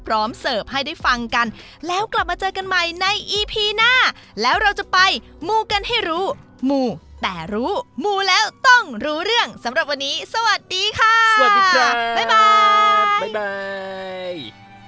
ลองส่งมาพูดคุยกันดูได้นะอ่าดี